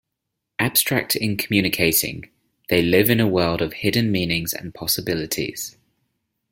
Abstract in communicating, they live in a world of hidden meanings and possibilities.